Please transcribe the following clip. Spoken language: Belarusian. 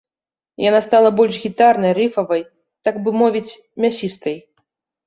Яна стала больш гітарнай, рыфавай, так бы мовіць, мясістай.